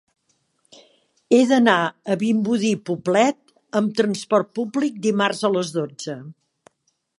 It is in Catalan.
He d'anar a Vimbodí i Poblet amb trasport públic dimarts a les dotze.